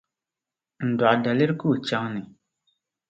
n-dɔɣi daliri ka o chaŋ ni.